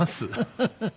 フフフフ。